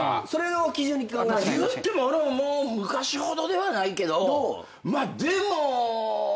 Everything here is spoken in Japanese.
いっても俺ももう昔ほどではないけどでも。